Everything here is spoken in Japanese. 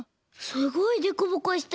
すごいでこぼこしてる。